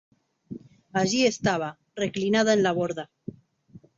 allí estaba, reclinada en la borda: